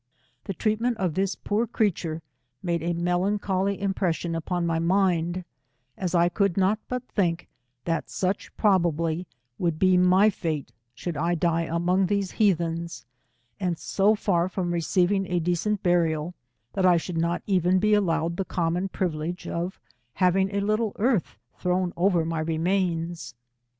The treatment of this poor creature made a melancholy impression upon my mind, as I could not but think, that such proba bly> would be my fate should I die among these heathens, and so far from receiving a decent burial, that I should not even be allowed the common privilege of having a little earth thrown over my remains.